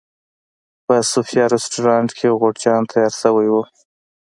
په صوفیا رسټورانټ کې غورچاڼ تیار شوی و.